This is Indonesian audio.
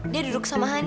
dia duduk sama hani